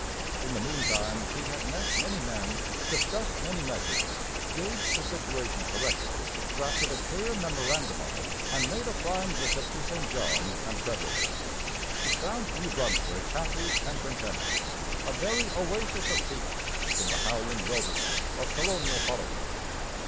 In the meantime he had met many men, discussed many measures, gauged the situation correctly, drafted a clear memorandum of it, and made a flying visit to St John and Fredericton. He found New Brunswick happy and contented, a very oasis of peace in the howling wilderness of colonial politics.